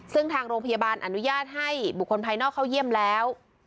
ซึ่งทางโรงพยาบาลอนุญาตให้บุคคลภายนอกเข้าเยี่ยมแล้ว